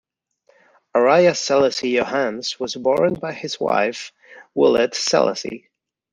Araya Selassie Yohannes was born by his wife Wolete Selassie.